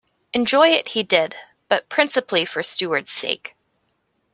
Enjoy it he did, but principally for Steward's sake.